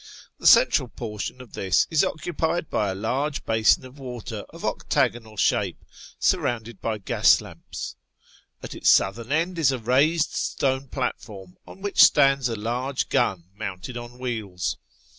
The central portion of this is occupied by a large basin of water of octagonal shape, surrounded by gas lamps. At its southern end is a raised stone platform, on which stands a large gun mounted on wheels.